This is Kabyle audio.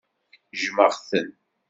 Jjmeɣ-ten.